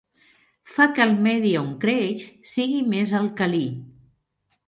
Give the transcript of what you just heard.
Fa que el medi on creix sigui més alcalí.